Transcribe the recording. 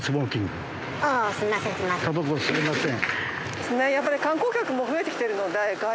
たばこ吸えません。